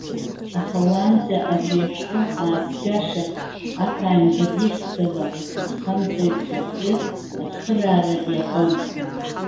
Аха уаанӡа абри ашәҟәы аазгаша аԥааимбар ихьӡ ала азхамҵаҩцәа рзы ацхыраара иаҳәон.